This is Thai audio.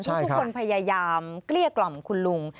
ทุกคนพยายามเกลี้ยกล่อมคุณลุง